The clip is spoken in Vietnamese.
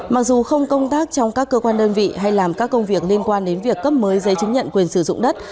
mặc dù không công tác trong các cơ quan đơn vị hay làm các công việc liên quan đến việc cấp mới giấy chứng nhận quyền sử dụng đất